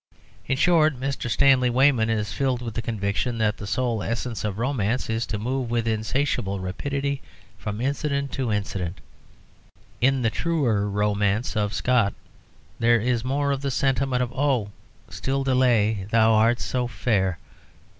In short, Mr. Stanley Weyman is filled with the conviction that the sole essence of romance is to move with insatiable rapidity from incident to incident. In the truer romance of Scott there is more of the sentiment of "Oh! still delay, thou art so fair"!